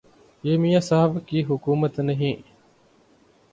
یہ میاں صاحب کی حکومت نہیں